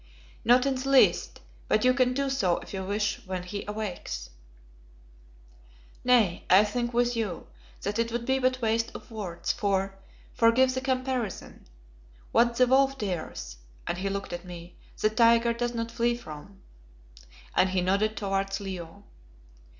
"Not in the least; but you can do so if you wish when he awakes." "Nay, I think with you, that it would be but waste of words, for forgive the comparison; what the wolf dares" and he looked at me "the tiger does not flee from," and he nodded towards Leo.